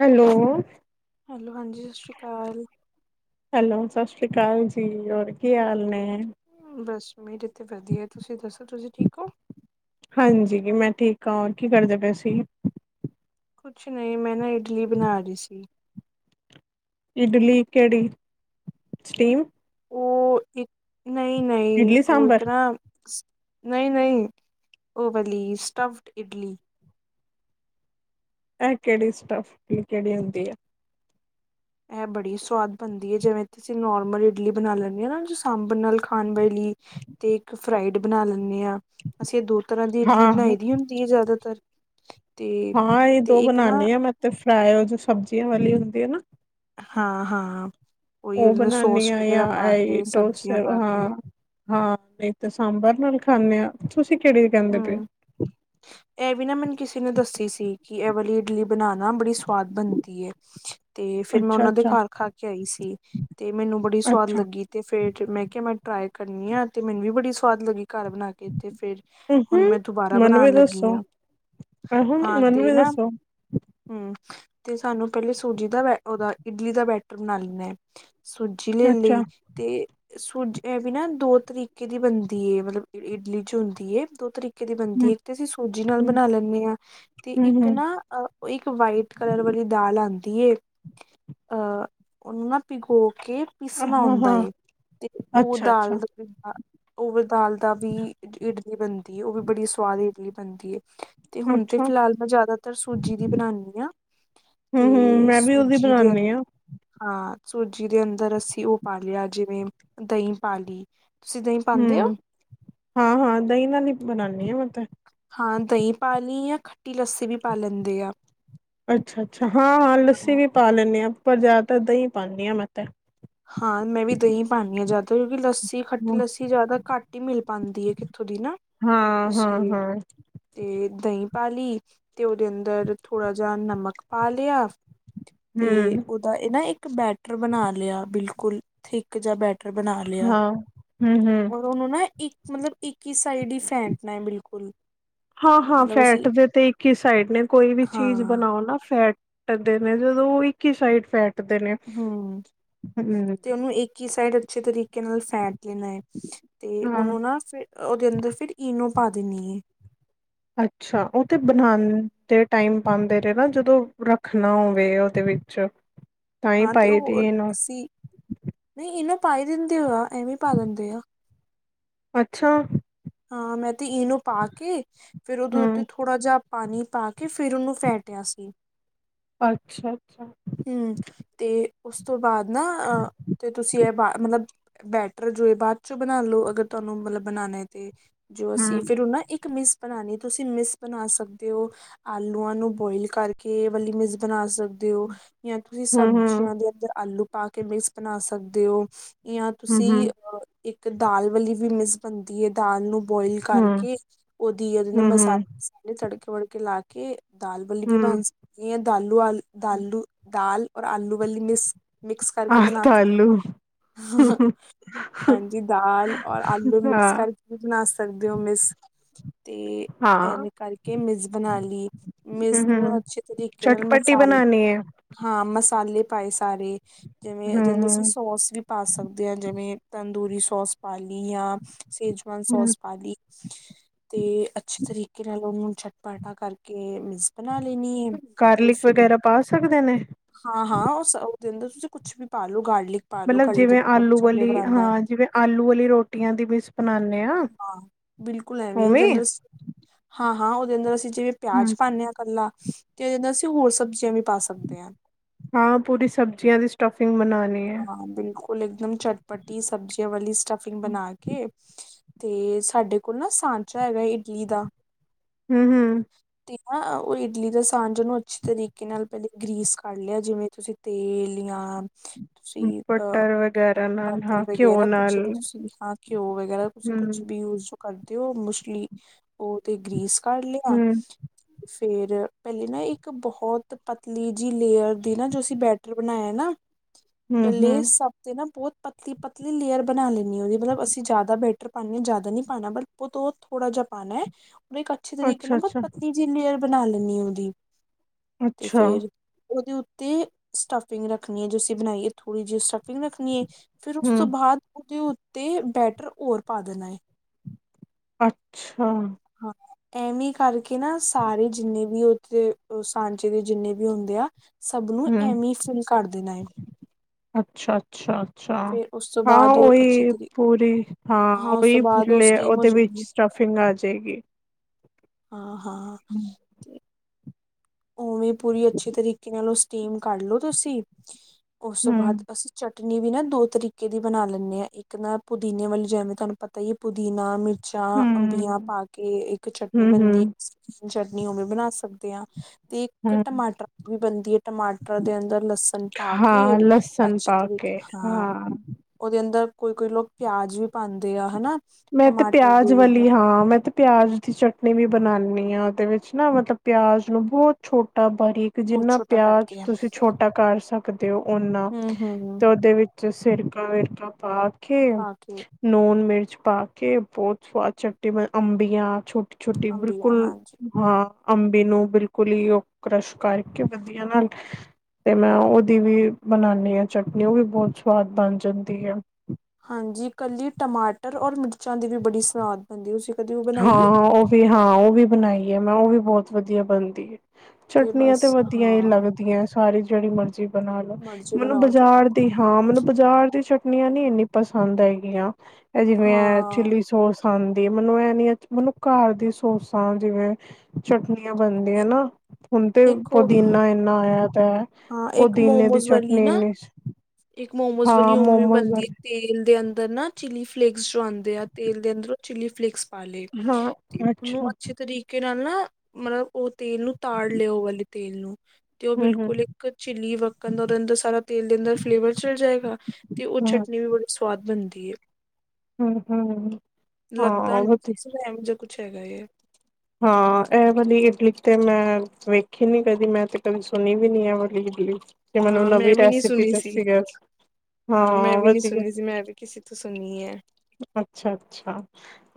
Hello. Hello ਹਾਂਜੀ ਸਤਿ ਸ਼੍ਰੀ ਅਕਾਲ। ਹੈਲੋ ਸਤਿ ਸ਼੍ਰੀ ਅਕਾਲ ਜੀ ਹੋਰ ਕੀ ਹਾਲ ਨੇ। ਬਸ ਮੀ ਰਥੇ ਵਧੀਆ ਤੁਸੀਂ ਦੱਸੋ ਤੁਸੀਂ ਠੀਕ ਹੋ। ਹਾਂਜੀ ਮੈਂ ਠੀਕ ਹਾਂ ਕੀ ਕਰਦੇ ਪਏ ਸੀਂ। ਕੁਛ ਨਈ, ਮੈਂ ਨਾ ਇਡਲੀ ਬਣਾ ਰਹੀ ਸੀ। ਇਡਲੀ ਕਿਹੜੀ, ਸਟੀਮ? ਉਹ ਇੱਕ ਨਈ-ਨਈ ਇਡਲੀ ਉਹ ਸਾਂਬਰ ਇੱਕ ਨਾ ਨਹੀਂ- ਨਹੀਂ ਉਹ ਵਲੀ ਸਟਫਡ ਇਡਲੀ ਇਹ ਕਿਹੜੀ ਸਟਫ, ਕਿਹੜੀ ਹੁੰਦੀ ਆ। ਇਹ ਬੜੀ ਸਵਾਦ ਬਣਦੀ ਏ, ਜਿਵੇਂ ਅਸੀਂ ਨੋਰਮਲ ਇਡਲੀ ਬਣਾ ਲੈਂਦੇ ਆ ਨਾ ਸਾਂਭਣ ਨਾਲ ਖਾਣ ਬ ਲੀ ਤੇ ਇੱਕ ਫਰਾਈਡ ਬਣਾ ਲੈਂਣੇ ਹਾਂ ਅਸੀਂ ਇਹ ਦੋ ਤਰ੍ਹਾਂ ਦੀ ਇਡਲੀ ਹਾਂ, ਬਣਾਈ ਦੀ ਤੀ ਜ਼ਿਆਦਾਤਰ ਤੇ ਹਾਂ ਇਹ ਤੇ ਦੋ ਇੱਕ ਨਾ ਬਣਾਂਦੀ ਹਾਂ ਮੈਂ ਤੇ ਫਰਾਏ ਜੋ ਸਬਜ਼ੀਆਂ ਵਾਲੀ ਹੁੰਦੀ ਆ ਨਾ। ਹਾਂ-ਹਾਂ। ਓਈ ਬਣਾਣੀ ਆ ਐਈ ਕੇ ਡੋਸੇ ਸਬਜ਼ੀਆਂ ਪਾ ਕੇ ਹਾਂ। ਹਾਂ ਨਹੀਂ ਤਾਂ ਸਾਂਬਰ ਨਾਲ ਖਾਂਣੇ ਆ ਤੁਸੀਂ ਕਿਹੜੀ ਕਹਿੰਦੇ ਪਏ ਹਮ ਹੋ। ਇਹ ਵੀ ਨਾ ਮੈਨੂੰ ਕਿਸੇ ਨੇ ਦੱਸੀ ਸੀ ਕਿ ਇਹ ਵਾਲੀ ਇਡਲੀ ਬਣਾਣਾ ਬੜੀ ਸਵਾਦ ਬਣਦੀ ਐ। ਤੇ ਹੋ ਫੇਰ ਮੈਂ ਅੱਛਾ, ਉਹਨਾਂ ਦੇ ਅੱਛਾ, ਘਰ ਖਾ ਕੇ ਆਈ ਸੀ ਤੇ ਮੈਨੂੰ ਬੜੀ ਸਵਾਦ ਅੱਛਾ ਲੱਗੀ। ਤੇ ਫੇਰ ਮੈਂ ਕਿਹਾ ਮੈਂ ਟਰਾਈ ਕਰਨੀ ਆ ਤੇ ਮੈਨੂੰ ਵੀ ਬੜੀ ਸਵਾਦ ਲੱਗੀ ਘਰ ਬਣਾ ਕੇ ਤੇ ਫਿਰ। ਹੁਣ ਹੂੰ ਮੈਂ ਦੁਬਾਰਾ ਮੈਨੂੰ ਵੀ ਬਣਾਣ ਲੱਗੀ ਦੱਸੋ ਆ, ਆਹੋ ਹਾਂ ਮੈਨੂੰ ਤੇ ਵੀ ਨਾ ਦੱਸੋ ਹੂੰ ਤੇ ਸਾਨੂੰ ਪਹਿਲੇ ਸੂਜੀ ਦਾ ਬ ਉਹਦਾ ਇਡਲੀ ਦਾ ਬੈਟਰ ਬਣਾ ਲੈਦਾ ਹੈ ਸੂਜੀ ਚਿਲੈ ਅੱਛਾ ਲਈ ਤੇ ਸੂਜ ਇਹ ਵੀ ਨਾ ਦੋ ਤਰੀਕੇ ਦੀ ਬਣਦੀ ਹੈ ਮਤਲਬ ਇਡਲੀ 'ਚ ਹੁੰਦੀ ਏ ਦੋ ਤਰੀਕੇ ਦੀ ਹੂੰ, ਬਣਦੀ, ਇੱਕ ਤੇ ਅਸੀਂ ਸੂਜੀ ਨਾਲ ਹੂੰ ਬਣਾ ਲੈਂਦੇ ਹਾਂ, ਤੇ ਇੱਕ ਹੂੰ-ਹੂੰ, ਨਾ ਉਹ ਇੱਕ ਵਾਈਟ ਕਲਰ ਵਾਲੀ ਦਾਲ ਆਂਦੀ ਏ। ਹਾਂ, ਉਹਨਾਂ ਪਿਗੋ ਕੇ ਪੀਸਣਾ ਹੁੰਦਾ ਹਾਂ-ਹਾਂ, ਤੇ ਉਹ ਅੱਛਾ-ਅੱਛਾ, ਦਾਲ ਦਾ [inaudible] ਓਵਰ ਦਾਲ ਦਾ ਵੀ ਇਡਲੀ ਬਣਦੀ ਉਹ ਵੀ ਬੜੀ ਸਵਾਦ ਇਡਲੀ ਬਣਦੀ ਏ। ਤੇ ਹੁਣ ਤੇ ਅੱਛਾ, ਫਿਲਹਾਲ ਮੈਂ ਜ਼ਿਆਦਾਤਰ ਸੂ ਜੀ ਬਣਾਣੀ ਆ ਤੇ ਹੂੰ-ਹੂੰ ਮੈਂ ਵੀ ਉਹਦੀ ਸੂਜੀ ਦੇ ਬਣਾਨੀ ਅੰਦਰ ਆ। ਹਾਂ ਸੂਜੀ ਦੇ ਅੰਦਰ ਅਸੀਂ ਉਹ ਪਾ ਲਿਆ ਜਿਵੇਂ ਦਹੀਂ ਪਾ ਲਈ ਤੁਸੀ ਦਹੀ ਪਾਂਦੇ ਓ। ਹਾਂ ਹਾਂ ਦਹੀਂ ਨਾਲ ਹੀ ਬਣਾਉਂਦੇ ਪਤਾ ਹਾਂ ਦਹੀਂ ਪਾ ਲਈ ਆ ਖੱਟੀ ਲੱਸੀ ਵੀ ਪਾ ਲੈਦੇ ਆ। ਅਛਾ- ਅਛਾ ਹਾਂ- ਹਾਂ ਲੱਸੀ ਵੀ ਪਾ ਲੈਂਣੇ ਹਾਂ ਪਰ ਜ਼ਿਆਦਾਤਰ ਦਹੀ ਪਾਣੀ ਹਾਂ ਮੈ ਤੇ ਹਾਂ ਮੈਂ ਵੀ ਦਹੀਂ ਪਾਨੀ ਆ ਜਿਆਦਾ ਕਿਉਂਕਿ ਲੱਸੀ ਖੱਟੀ ਹੂੰ, ਲੱਸੀ ਜ਼ਿਆਦਾ ਘੱਟ ਹੀ ਮਿਲ ਪਾਂਦੀ ਏ ਕਿੱਥੋਂ ਦੀ ਨਾ ਹਾਂ ਇਸ ਹਾਂ ਲਈ ਹਾਂ ਤੇ ਦਹੀਂ ਪਾ ਲਈ ਤੇ ਉਹਦੇ ਅੰਦਰ ਥੋੜਾ ਜਾ ਨਮਕ ਪਾ ਲਿਆ ਤੇ ਹੂੰ, ਉਹਦਾ ਇਹ ਨਾ ਇਕ ਬੈਟਰ ਬਣਾ ਲਿਆ ਬਿਲਕੁਲ ਥਿਕ ਜਿਹਾ ਬੈਟਰ ਬੈਟਰ ਬਣਾ ਲਿਆ। ਹਾਂ, ਹੂੰ-ਹੂੰ। ਉਹਨੂੰ ਨਾ ਇੱਕ ਮਤਲਬ ਇੱਕ ਹੀ ਸਾਈਡ ਹੀ ਫੈਂਟਣਾ ਏ ਬਿਲਕੁਲ ਹਾਂ- ਹਾਂ ਮਤਲਬ ਫੈਟ ਅਸੀਂ ਦੇ ਤੇ ਇਕ ਹੀ ਸਾਈਡ ਨੇ ਕੋਈ ਵੀ ਚੀਜ ਹਾਂ ਬਣਾਓ ਨਾ ਫੈਟ ਦੇ ਨੇ ਜਦੋਂ ਉਹ ਇੱਕ ਹੀ ਸਾਈਡ ਫੈਟ ਦੇ ਨੇ ਹੂ ਕੀ ਸਾਈਡ ਅੱਛੇ ਤਰੀਕੇ ਨਾਲ ਫੈਟ ਲੈਣਾ ਹੈ ਤੇ ਹਾਂ। ਉਹਨੂੰ ਨਾ ਫਿਰ ਉਹਦੇ ਅੰਦਰ ਫਿਰ ਈਨੋ ਪਾ ਦੇਣੀ ਏ। ਅੱਛਾ ਉਹ ਤਾਂ ਬਣਾਦੇ ਟਾਈਮ ਪਾਂਦੇ ਨੇ ਨਾ ਜਦੋਂ ਰੱਖਣਾ ਹੋਵੇ ਉਹਦੇ ਵਿੱਚ ਤਾਂ ਹੀ ਹਾਂ ਪਾਈ ਦੀ ਇਹਨੂੰ ਨਹੀ ਇਨੋ ਪਾ ਹੀ ਦਿੰਦੇ ਆ ਐਵੇ ਪਾ ਦਿੰਦੇ ਆ। ਅੱਛਾ ਹਾਂ ਮੈਂ ਤੇ ਈਨੂੰ ਪਾ ਕੇ ਫਿਰ ਉਹਦੇ ਹੂੰ ਉੱਤੇ ਥੋੜ੍ਹਾ ਜਿਹਾ ਪਾਣੀ ਪਾ ਕੇ ਫਿਰ ਉਹਨੂੰ ਫੈਟਿਆ ਸੀ। ਅੱਛਾ- ਅੱਛਾ ਹੂ ਤੇ ਉਸ ਤੋਂ ਬਾਅਦ ਨਾ ਅਹ ਤੇ ਤੁਸੀਂ ਇਹ ਮਤਲਬ ਬੈਟਰ ਜੋ ਏ ਬਾਅਦ ਚੋਂ ਬਣਾ ਲੋ, ਅਗਰ ਤੁਹਾਨੂੰ ਮਤਲਬ ਬਣਾਉਣੇ ਤੇ ਜੋ ਅਸੀ ਹੂੰ ਫਿਰ ਉਹ ਨਾ ਇਕ ਮਿਸ ਬਣਾਂਣੀ ਤੁਸੀ ਮਿਸ ਬਣਾ ਸਕਦੇ ਹੋ। ਆਲੂਆਂ ਨੂੰ ਬੋਇਲ ਕਰਕੇ, ਇਹ ਵਾਲੀ ਇਮੇਜਿੰਗ ਬਣਾ ਸਕ ਹੋ ਜਾਂ ਤੁਸੀਂ ਹੂੰ ਹੂੰ ਸਬਜ਼ੀਆਂ ਦੇ ਅੰਦਰ ਆਲੂ ਪਾ ਕੇ ਮਿਕਸ ਬਣਾ ਸਕਦੇ ਹੋ। ਜਾਂ ਹੂੰ ਹੂੰ ਤੁਸੀ ਅ ਇਕ ਦਾਲ ਵਾਲੀ ਵੀ ਮਿਸ ਬਣਦੀ ਏ ਦਾਲ ਨੂੰ ਬੋਇਲ ਹੂੰ ਕਰਕੇ ਉਹਦੀ ਉਹਦੇ ਨਾਲ ਹੂੰ ਹੂੰ ਮਸਾਲੇ ਤੜਕੇ ਵੜਕੇ ਲਾ ਕੇ ਦਾਲ ਬਲੀ ਵੀ ਬਾਂ ਹੂੰ ਸਕਦੀ ਹੈ ਦਾਲੂ ਆਲੂ ਦਾਲੂ ਦਾਲ ਔਰ ਆਲੂ ਵਾਲੀ ਮਿਸ ਆਹ ਦਾਲੂ ਹਾਂਜੀ ਦਾਲ ਔਰ ਆਲੂ ਮਿਕਸ ਹਾਂ ਕਰਕੇ ਵੀ ਬਣਾ ਸਕਦੇ ਹੋ ਮਿਸ ਤੇ ਹਾਂ ਐਵੇ ਕਰਕੇ ਮਿਸ ਬਣਾ ਲਈ ਹੂੰ ਮਿਸ ਹੂੰ ਨੂੰ ਅੱਛੇ ਤਰੀਕੇ ਨਾਲ ਚਟਪਟੀ ਮਸਾਲੇ ਬਣਾਣੀ ਹੈ ਹਾਂ, ਮਸਾਲੇ ਪਾਏ ਸਾਰੇ, ਜਿਵੇਂ ਹੂੰ ਜੀਹਦੇ ਤੇ ਹੂੰ ਸੋਸ ਵੀ ਪਾ ਸਕਦੇ ਆ ਜਿਵੇਂ ਤੰਦੂਰੀ ਸੋਸ ਪਾ ਲਈ ਜਾਂ ਸੇਜਵਾਨ ਹੂੰ ਸੋਸ ਪਾ ਲਈ ਤੇ ਅੱਛੇ ਤਰੀਕੇ ਨਾਲ ਉਹਨੂੰ ਛਟਪਾਟਾ ਕਰਕੇ ਮਿਸ ਬਣਾ ਲੈਣੀ ਹੈ ਗਾਰਲਿਕ ਵਗੈਰਾ ਪਾ ਸਕਦੇ ਨੇ। ਹਾਂ-ਹਾਂ ਉਹ ਉਹਦੇ ਤੁਸੀ ਕੁਛ ਵੀ ਪਾਲਓ ਗਾੜ ਮਤਲਬ ਜਿਵੇਂ [unintelligible] ਬਹੁਤ ਆਲੂ ਅੱਛਾ ਵਾਲੀ ਫਲੈਵਰ ਆਂਦਾ ਹਾਂ ਜਿਵੇਂ ਆਲੂ ਵਾਲੀ ਰੋਟੀਆਂ ਦੀ ਮਿਸ ਬਣਾਨੇ ਆ ਹਾਂ। ਬਿਲਕੁਲ ਐਵੇ ਉਹਦੇ ਉਵੇਂ ਅੰਦਰ ਹਾਂ-ਹਾਂ ਉਹਦੇ ਅੰਦਰ ਅਸੀ ਜਿਵੇ ਹੂੰ ਪਿਆਜ ਪਾਣੇ ਹਾਂ ਕੱਲਾ ਤੇ ਨਾਲ ਅਸੀ ਹੋਰ ਸਬਜ਼ੀਆਂ ਵੀ ਪਾ ਸਕਦੇ ਹਾਂ। ਹਾਂ ਪੂਰੀ ਸਬਜ਼ੀਆਂ ਦੀ ਸਟਫਿੰਗ ਬਣਾਣੀ ਹੈ ਹਾਂ ਬਿਲਕੁਲ ਇੱਕ ਦਮ ਚਟਪਟੀ ਸਬਜ਼ੀਆਂ ਵਾਲੀ ਸਟਫਿੰਗ ਬਣਾ ਕੇ ਤੇ ਸਾਡੇ ਕੋਲ ਨਾ ਸਾਂਚਾ ਹੈਗਾ ਇਡਲੀ ਦਾ ਹੂੰ-ਹੂੰ ਤੇ ਉਹ ਇਡਲੀ ਦਾ ਸਾਂਚੇ ਉਹਨੂੰ ਅੱਛੇ ਤਰੀਕੇ ਨਾਲ ਪਹਿਲੇ ਗ੍ਰੀਸ ਕਰ ਲਿਆ ਜਿਵੇ ਤੁਸੀ ਤੇ ਲੀਆਂ ਬਟਰ ਵ ਬਟਰ ਵਗੈਰਾ ਕੁਛ ਵੀ ਤੁਸੀ ਹਾਂ ਘਿਓ ਵਗੈਰਾ ਤੁਸੀ ਹੂੰ ਕੁਛ ਵੀ ਯੁਜ ਕਰਦੇ ਓ ਮੁਛਲੀ ਉਹ ਤੇ ਗ੍ਰੀਸ ਕਰ ਲਿਆ। ਹੂੰ, ਫੇਰ ਪਹਿਲੇ ਨਾ ਇਕ ਬਹੁਤ ਪਤਲੀ ਜਿ ਲੇਅਰ ਦੀ ਨਾ ਜੋ ਅਸੀ ਬੈਟਰ ਬਣਾਇਆ ਨਾ, ਹੂੰ-ਹੂੰ, ਪਹਿਲੇ ਸਭ ਤੇ ਨਾ ਬਹੁਤ ਪਤਲੀ -ਪਤਲੀ ਲੇਅਰ ਬਣਾ ਲੈਣੀ ਮਤਲਬ ਅਸੀ ਜਿਆਦਾ ਬੈਟਰ ਪਾਉਦੇ ਜਿਆਦਾ ਨੀ ਪਾਉਣਾ ਬ ਉਹ ਥੋੜਾਿਹਾ ਪਾਉਣਾ ਹੈ। ਉਹ- ਅਛੇ ਤਰੀਕੇ ਨਾਲ ਅੱਛਾ-ਅੱਛਾ, ਪਤਨੀ ਜੀ ਲੇਅਰ ਬਣਾ ਲੈਦੀ ਉਹਦੀ ਤੇ ਅੱਛਾ, ਫੇਰ ਉਹਦੇ ਉਤੇ ਸਟਫਿੰਗ ਰੱਖਣੀ ਹ ਜੋ ਅਸੀ ਬਣਾਈਏ ਥੋੜ੍ਹੀ ਜਿਹੀ ਸਟਫਿੰਗ ਰੱਖਣੀ ਹੈ। ਫਿਰ ਉਸ ਤੋਂ ਹੂੰ, ਬਾਅਦ ਉਹਦੇ ਉਤੇ ਬੈਟਰ ਹੋਰ ਪਾ ਦੇਣਾ ਹੈ। ਅੱਛਾ। ਹਾਂ ਐਵੇ ਕਰਕੇ ਨਾ ਸਾਰੇ ਜਿਨੇ ਵੀ ਉਥੇ। ਉਹ ਸਾਂਚੇ ਦੇ ਜਿੰਨੇ ਵੀ ਹੁੰਦੇ ਆ ਸਭ ਨੂੰ ਐਮੀ ਫੀਲ ਕਰ ਦੇਣਾ ਏ ਅੱਛਾ, - ਅੱਛਾ। ਅੱਛਾ ਫੇਰ ਉਸ ਤੋਂ ਹਾਂ ਬਾਅਦ ਉਹ ਅੱਛੇ ਉਹੀ ਤਰੀ ਪੂਰੀ ਹਾਂ ਉਸ ਤੋਂ ਉਹੀ ਬਾਅਦ ਉਹ ਫੁੱਲੇ ਸਟੀਮ ਹੋ ਉਹਦੇ ਵਿੱਚ ਜਾਏਗੀ ਸਟਫਿੰਗ ਫਿੰਗ ਆ ਜਾਏਗੀ ਹਾਂ ਹਾਂ ਹੂੰ, ਉਵੇ ਪੂਰੀ ਅੱਛੇ ਤਰੀਕੇ ਨਾਲ ਉਹ ਸਟੀਮ ਕਰ ਲੋ ਤੁਸੀ ਉਸ ਤੋ ਬਾਅਦ ਹੂੰ, ਅਸੀ ਚਟਨੀ ਵੀ ਨਾ ਦੋ ਤਰੀਕੇ ਦੀ ਬਣਾ ਲੈਂਣੇ ਆ ਇੱਕ ਨਾ ਪੁਦੀਨੇ ਵਾਲੀ ਜਿਵੇਂ ਤੁਹਾਨੂੰ ਪਤਾ ਹੀ ਪੁਦੀਨਾ ਮਿਰਚ ਜਾ ਹੂੰ, ਅੰਬੀਆਂ ਪਾ ਕੇ ਇਕ ਚਟਨੀ ਬਣਦੀ ਹੂੰ, ਹੈ। ਚਟਨੀ ਉਹ ਵੀ ਬਣਾ ਸਕਦੇ ਆ ਤੇ ਇੱਕ ਹੂੰ, ਟਮਾਟਰ ਵੀ ਬਣਦੀ ਏ ਟਮਾਟਰ ਦੇ ਅੰਦਰ ਲਸਣ ਪਾ ਕੇ ਹਾਂ, ਲਸਣ ਅਛਾ ਪਾ ਤਰੀਕੇ ਕੇ ਹਾਂ ਉਹਦੇ ਅੰਦਰ ਕੋਈ- ਕੋਈ ਲੋਕ ਪਿਆਜ ਵੀ ਪਾਉਦੇ ਆ ਹਨਾ ਮੈਂ ਤੇ ਟਮਾਟਰ ਦੇ ਪਿਆਜ ਉਹਦੇ ਅੰਦਰ ਵਾਲੀ ਹਾਂ ਮੈਂ ਤੇ ਪਿਆਜ ਦੀ ਚਟਨੀ ਵੀ ਬਣਾਉਦੀ ਹਾਂ ਉਹਦੇ ਵਿਚ ਨਾ ਮਤਲਬ ਪਿਆਜ ਨੂੰ ਬਹੁਤ ਛੋਟਾ ਬਾਰੀਕ ਕਿ ਬਹੁਤ ਜਿੰਨਾ ਛੋਟਾ ਕੱਟ ਪਿਆਜ ਕੇ ਤੁਸੀਂ ਛੋਟਾ ਕਰ ਸਕਦੇ ਹੋ ਉਨਾ ਹਮ ਹਮ ਤੇ ਉਹਦੇ ਵਿੱਚ ਤੇ ਸਿਰਕਾ ਵਿਰਕਾ ਪਾ ਕੇ ਪਾ ਕੇ ਲੂਣ ਮਿਰਚ। ਪਾ ਕੇ ਬਹੁਤ ਸਵਾਦ ਚਟਨੀ ਮਤ ਅੰਬੀਆਂ ਛੋਟੀ ਛੋਟੀ ਅੰਬੀਆਂ ਬਿਲਕੁਲ ਹਾਂਜੀ ਹਾਂ ਅੰਬੀ ਨੂੰ ਬਿਲਕੁਲ ਹੀ ਉਹ ਕਸ਼ ਕਰਕੇ ਵਧੀਆ ਨਾਲ। ਤੇ ਮੈ ਉਹਦੀ ਵੀ ਬਣਾਉਦੀ ਹਾਂ ਚਟਨੀ ਉਹ ਵੀ ਬਹੁਤ ਸਵਾਦ ਬਣ ਜਾਦੀ ਹੈ। ਹਾਂਜੀ ਕੱਲੀ ਟਮਾਟਰ ਔਰ ਮਿਰਚਾਂ ਦੀ ਵੀ ਬੜੀ ਸਵਾਦ ਹਾਂਜੀ ਤੁਂ ਕਦੇ [unintelligible] ਹਾਂ- ਹਾਂ ਉਹ ਵੀ ਹਾਂ ਉਹ ਵੀ ਬਣਾਈ ਹੈ। ਮੈ ਉਹ ਵੀ ਬਹੁਤ ਵਧੀਆ ਬਣਦੀ ਹੈ। ਚਟਨੀਆਂ ਬਸ ਤੇ ਵਧੀਆ ਹੀ ਹਾਂ ਲੱਗਦੀਆਂ ਸਾਰੀ ਜਿਹੜੀ ਮਰਜ਼ੀ ਬਣਾ ਲਓ ਮਰਜ਼ੀ ਮੈਨੂੰ ਬਣਾਓ ਚਟਨੀ ਬਾਜ਼ਾਰ ਦੀ ਤੇ। ਹਾਂ ਮੈਨੂੰ ਬਜ਼ਾਰ ਦੀ ਚਟਨੀਆਂ ਨੀ ਇੰਨੀ ਪਸੰਦ ਹੈਗੀਆਂ ਇਹ ਜਿਵੇਂ ਹੈ ਹਾਂ ਚਿੱਲੀ ਸੋਸ। ਮੈਨੂੰ ਇਹ ਇਨਸਾਨੀਅਤ ਘਰ ਦੀ ਸੋਸਾਂ ਜਿਵੇਂ ਚਟਨੀਆਂ ਬਣਦੀਆਂ ਇ- ਨਾ ਹੁਣ ਤੇ ਇੱਕ ਉਹ ਪੁਦੀਨਾ ਇੰਨਾ ਆਇਆ ਪਇਆ। ਹਾਂ ਇੱਕ ਮੋਮੋਜ਼ ਵਾਲੀ ਨਾ ਇੱਕ ਮੋਮੋਜ਼ ਵਾਲੀ ਹਾਂ ਉਵੇ ਵੀ ਮੋਮੋਸ ਬਣਦੀ ਏ ਵਾਲੀ ਤੇਲ ਦੇ ਅੰਦਰ ਨਾ ਚਿੱਲੀ ਫਲੇਕਸ ਜੋ ਆਉਂਦੇ ਆ ਤੇਲ ਦੇ ਅੰਦਰ ਉਹ ਚਿੱਲੀ ਫਲੇਕਸ। ਪਾ ਲਏ ਤੇ ਹਾਂ ਉਹਨੂੰ ਅੱਛਾ ਅੱਛੇ ਤਰੀਕੇ ਕਿਰਨ ਨਾ ਮਤਲਬ ਉਹ ਤੇਲ ਨੂੰ ਤਾੜ ਲਿਆਓ ਵਾਲੇ ਤੇਲ ਨੂੰ ਤੇ ਉਹ ਹਮ ਬਿਲਕੁਲ ਚਿੱਲੀ ਵਕਣ ਦਾ ਉਹਦੇ ਅੰਦਰ ਸਾਰਾ ਤੇਲ ਦੇ ਅੰਦਰ ਫਲੇਵਰ ਚਲ ਜਾਏਗਾ ਤੇ ਉਹ ਚਟਨੀ ਹਮ ਚਟਨੀ ਬੜੀ ਸਵਾਦ ਬਣਦੀ ਹੈ ਹਮ ਹਮ ਹਮ ਲੱਗਦਾ ਹਾਂ ਨਹੀਂ। ਕੁਛ ਹੈਗਾ ਇਹ ਹਾਂ ਇਹ ਵਾਲੀ ਇਡਲੀ ਤੇ ਮੈਂ ਵੇਖੀ ਨੀ ਕਦੀ ਮੈਂ ਤੇ ਕਦੀ ਸੁਣੀ ਵੀ ਨੀ ਇਹ ਵਾਲੀ ਇਡਲੀ ਤੇ ਮੈਨੂੰ ਹਾਂ ਮੈਂ ਨਵੀ ਵੀ ਨਹੀਂ ਰੈਸਿਪੀ ਸੁਣੀ ਸੀ ਦੱਸੀ ਹੈ। ਹਾਂ ਮੈਂ ਵੀ ਨੀ ਸੁਣੀ ਸੀ ਮੈਂ ਵੀ ਕਿਸੇ ਤੋਂ ਸੁਣੀ ਏ ਅਛਾ- ਅਛਾ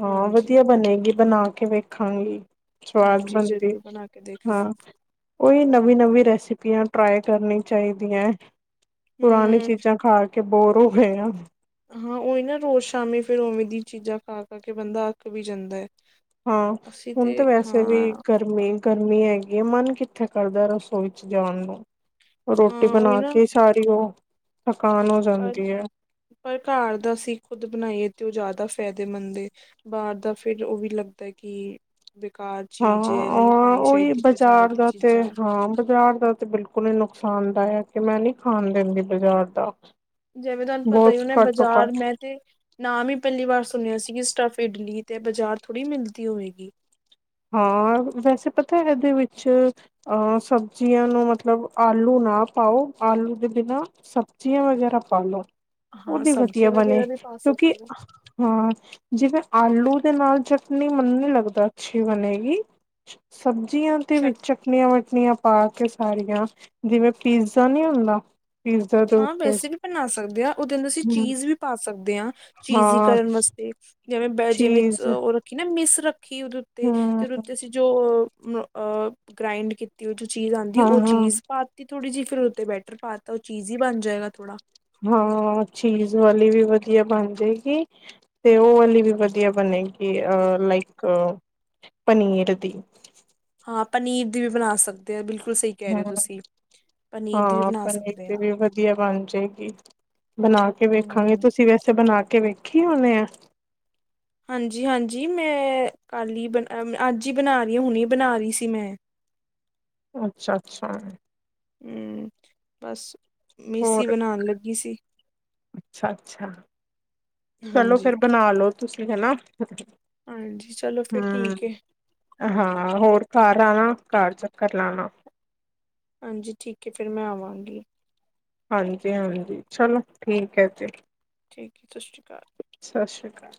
ਹਾਂ ਹਾਂਜੀ ਵਧੀਆ ਬਣੇਗੀ ਬਣਾ ਕੇ ਵੇਖਾਂਗੀ। ਸਵਾਦ ਹਾਂਜੀ ਬਣਦੀ ਜ਼ਰੂਰ ਬਣਾ ਕੇ ਦੇਖਣਾ ਹਾਂ- ਕੋਈ ਨਵੀਂ ਨਵੀਂ ਰੈਸਿਪੀਆਂ ਟਰਾਈ ਕਰਨੀ ਚਾਹੀਦੀਆਂ ਪੁਰਾਣੀ ਹਮ ਚੀਜ਼ਾਂ ਖਾ ਕੇ ਬੋਰ ਹੋ ਗਏ ਆ ਹਾਂ, ਉਹੀ ਨਾ ਰੋਜ਼ ਸ਼ਾਮੀ ਫੇਰ ਉਵੇਂ ਦੀ ਚੀਜ਼ਾਂ ਖਾ ਕੇ ਕੇ ਬੰਦਾ ਅੱਕ ਵੀ ਜਾਂਦਾ ਹੈ। ਹਾਂ ਅਸੀਂ ਹੁਣ ਤੇ ਤਾਂ ਵੈਸੇ ਵੀ ਹਾਂ ਗਰ ਗਰਮੀ ਗਰਮੀ ਹੈਗੀ ਹੈ ਮਨ ਕਿੱਥੇ ਕਰਦਾ ਰਸੋਈ ਵਿੱਚ ਜਾਣ ਨੂੰ ਰੋਟੀ ਹਾਂ ਉਹੀ ਬਣਾ ਨਾ ਕੇ ਸਾਰੀ ਉਹ ਥਕਾਨ ਪਰ ਜਾਂਦੀ ਹੈ। ਪਰ ਘਰ ਦਾ ਅਸੀਂ ਖੁਦ ਬਣਾਈਏ ਤੇ ਉਹ ਜ਼ਿਆਦਾ ਫਾਇਦੇਮੰਦ ਏ। ਬਾਹਰ ਦਾ ਫਿਰ ਉਹ ਵੀ ਲੱਗਦਾ ਕਿ ਬਿਕਾਰ ਹਾਂ ਉਹੀ ਬਾਜ਼ਾਰ ਦੀ ਦਾ ਤੇ ਚੀਜ਼ਾਂ ਹਾਂ ਬਾਜ਼ਾਰ ਦਾ ਤੇ ਬਿਲਕੁਲ ਕੋ ਨੁਕਸਾਨ ਦਾਇ ਹੈ ਕਿ ਮੈਂ ਨੀ ਖਾਣ ਦਿੰਦੀ ਬਾਜ਼ਾਰ ਦਾ ਜਿਵੇਂ ਤੁਹਾਨੂੰ ਪਤਾ ਬਹੁਤ ਈ ਉਹਨੇ ਘੱਟੋ ਬਾਜ਼ਾਰ ਘੱਟ ਮੈਂ ਤੇ ਨ ਹੀ ਪਹਿਲੀ ਵਾਰ ਸੁਣਿਆ ਸੀਗੀ ਸਟਫ ਇਡਲੀ ਤੇ ਬਾਜ਼ਾਰ ਥੋੜ੍ਹੀ ਮਿਲਦੀ ਹੋਵੇਗੀ। ਹਾਂ ਵੈਸੇ ਪਤਾ ਹੈ ਇਹਦੇ ਵਿੱਚ ਅਹ ਸਬਜ਼ੀਆਂ ਨੂੰ ਮਤਲਬ ਆਲੂ ਨਾ ਪਾਓ ਆਲੂ ਦੇ ਬਿਨਾਂ ਸਬਜ਼ੀਆਂ ਵਗੈਰਾ ਪਾ ਲੋ ਹਾਂ ਉਹਦੀ ਵਧੀਆ ਸਬਜ਼ੀਆਂ ਬਣੇ ਵਗੈਰਾ ਵੀ ਪਾ ਕਿਉਂਕਿ ਸਕਦੇ ਹੋ ਹਾਂ ਜਿਵੇਂ ਆਲੂ ਦੇ ਨਾਲ ਚਟਨੀ ਮੈਨੂੰ ਨੀ ਲੱਗਦਾ ਅੱਛੀ ਬਣੇਗੀ ਸਬਜ਼ੀਆਂ ਤੇ ਚਟ ਵਿੱਚ ਚਟਣੀਆਂ ਵਟਣੀਆਂ ਪਾ ਕੇ ਸਾਰੀਆਂ ਜਿਵੇਂ ਪੀਜ਼ਾ ਨੀ ਹੁੰਦਾ। ਪੀਜ਼ਾ ਦੇ ਹਾਂ ਉੱਤੇ ਵੈਸੇ ਵੀ ਬਣਾ ਸਕਦੇ ਹ ਉਹਦੇ ਅੰ ਅਸੀਂ ਹੂੰ ਚੀਜ਼ ਵੀ ਪਾ ਸਕਦੇ ਹਾਂ ਚੀਜ਼ ਹੀ ਹਾਂ ਕਰਨ ਵਾਸਤੇ ਜਿਵੇਂ ਬ ਜਿਵੇਂ ਚੀਜ਼ ਉਹ ਰੱਖੀ ਨਾ ਮਿਸ ਰੱਖੀ ਉਹਦੇ ਉੱਤੇ ਹੂੰ ਤੇ ਉਹਦੇ ਉੱਤੇ ਅਸੀਂ ਜੋ ਗ੍ਰਾਇੰਡ ਕੀਤੀ ਹੋਈ ਜੋ ਚੀਜ਼ ਆਉਂਦੀ ਉਹ ਹਾਂ-ਹਾਂ, ਚੀਜ਼ ਪਾਤੀ ਥੋੜ੍ਹੀ ਜਿ ਫਿਰ ਉਹਤੇ ਬੈਟਰ ਪਾ ਦਿੱਤਾ ਉਹ ਚੀਜ਼ ਹੀ ਬਣ ਜਾਏਗਾ ਥੋੜਾ। ਹਾਂ, ਚੀਜ਼ ਵਾਲੀ ਵੀ ਵਧੀਆ ਬਣ ਜਾਏਗੀ। ਤੇ ਉਹ ਹਲੀ ਵੀ ਵਧੀਆ ਬਣੇਗੀ ਅ ਲਾਇਕ ਪਨੀਰ ਦੀ। ਹਾਂ ਪਨੀਰ ਦੀ ਵੀ ਬਣਾ ਸਕਦੇ ਹੋ। ਬਿਲਕੁਲ ਸਹੀ ਕਹਿ ਰਹੇ ਹੂੰ ਹੋ ਤੁਸੀ। ਹਾਂ ਪਨੀਰ ਦੀ ਵੀ ਵਧੀਆ ਬਣ ਜਾਏਗੀ। ਬਣਾ ਕੇ ਵੇਖਾਂਗੇ ਹਮ ਤੁਸੀਂ ਵੈਸੇ ਬਣਾ ਕੇ ਵੇਖੀ ਹੁਣੇ ਇਹ ਹਾਂਜੀ-ਹਾਂਜੀ ਮੈਂ ਕੱਲ ਹੀ ਬਣਾ ਅੱਜ ਹੀ ਬਣਾ ਰਹੀ ਹਾਂ ਹੁਣੀ ਹੀ ਬਣਾ ਰਹੀ ਸੀ ਮੈਂ ਅੱਛਾ-ਅੱਛਾ। ਹੂੰ ਬਸ। ਮਿਸ ਹੀ ਹੋਰ ਬਣਾਣ ਲੱਗੀ ਸੀ। ਅੱਛਾ-ਅੱਛਾ ਚਲੋ ਫੇਰ ਹਾਂਜੀ ਬਣਾ ਲੋ ਤੁਸੀਂ ਹਨਾ। ਹਾਂਜੀ ਚਲੋ ਫਿਰ ਹੂੰ ਠੀਕ ਏ। ਹਾਂ ਹੋਰ ਘੱਰ ਆਣਾ ਘੱਰ ਚੱਕਰ ਲਾਣਾ। ਹਾਂਜੀ ਠੀਕ ਹੈ ਫਿਰ ਮੈਂ ਆਵਾਂਗੀ। ਹਾਂਜੀ-ਹਾਂਜੀ, ਚੱਲੋ ਠੀਕ ਹੈ ਫੇਰ। ਠੀਕ ਏ ਸਤਿ ਸ਼੍ਰੀ ਅਕਾਲ। ਸਤਿ ਸ਼੍ਰੀ ਅਕਾਲ।